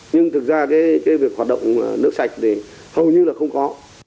nhưng thực ra cái việc hoạt động nước sạch thì hầu như là không có